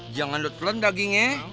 jangan lelut lelut dagingnya